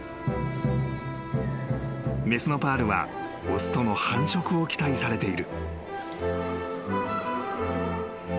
［雌のパールは雄との繁殖を期待されている］